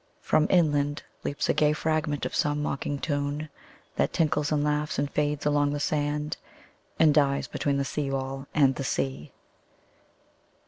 From inlandLeaps a gay fragment of some mocking tune, That tinkles and laughs and fades along the sand, And dies between the seawall and the sea.